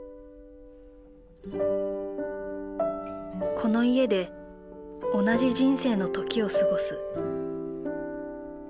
この家で同じ人生の時を過ごす。